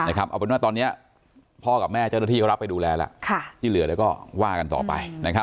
เอาเป็นว่าตอนนี้พ่อกับแม่เจ้าหน้าที่เขารับไปดูแลแล้วที่เหลือเดี๋ยวก็ว่ากันต่อไป